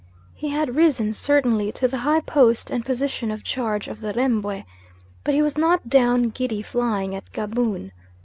He had risen certainly to the high post and position of charge of the Rembwe, but he was not down giddy flying at Gaboon.